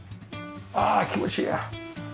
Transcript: ああ気持ちいいや。